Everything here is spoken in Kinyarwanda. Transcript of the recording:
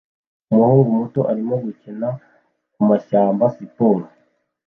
Umuhungu muto arimo gukina kumashyamba-siporo